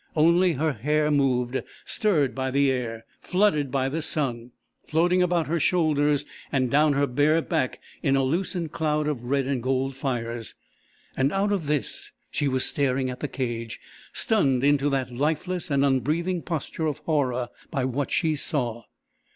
Only her hair moved, stirred by the air, flooded by the sun, floating about her shoulders and down her bare back in a lucent cloud of red and gold fires and out of this she was staring at the cage, stunned into that lifeless and unbreathing posture of horror by what she saw.